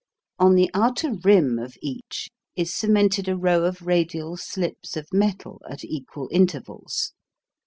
On the outer rim of each is cemented a row of radial slips of metal at equal intervals.